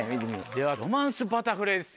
ではロマンスバタフライです。